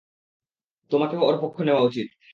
তোমারও ওর পক্ষ নেয়া উচিত।